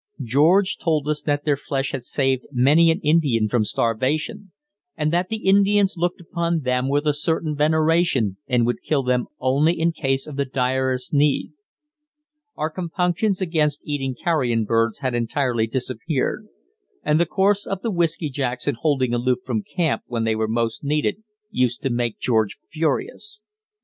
George told us that their flesh had saved many an Indian from starvation, and that the Indians looked upon them with a certain veneration and would kill them only in case of the direst need. Our compunctions against eating carrion birds had entirely disappeared, and the course of the whiskey jacks in holding aloof from camp when they were most needed used to make George furious.